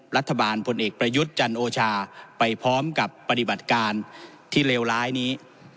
พลเอกประยุทธ์จันโอชาไปพร้อมกับปฏิบัติการที่เลวร้ายนี้